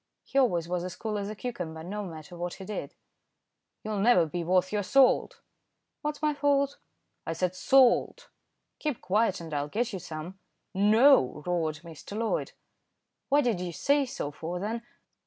He always was as cool as a cucumber, no matter what he did. "You'll never be worth your salt." "What's my fault?" "I said salt." "Keep quiet and I'll get you some." "No!" roared Mr. Loyd. "What did you say so for then?